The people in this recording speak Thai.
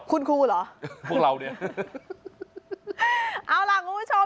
คุณครูเหรอพวกเราเนี่ยเอาล่ะคุณผู้ชม